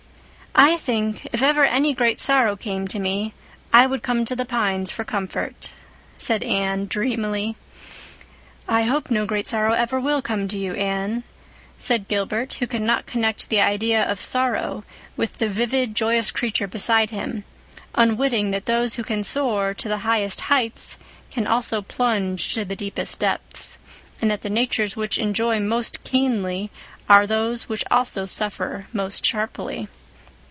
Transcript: "I think, if ever any great sorrow came to me, I would come to the pines for comfort," said Anne dreamily. "I hope no great sorrow ever will come to you, Anne," said Gilbert, who could not connect the idea of sorrow with the vivid, joyous creature beside him, unwitting that those who can soar to the highest heights can also plunge to the deepest depths, and that the natures which enjoy most keenly are those which also suffer most sharply.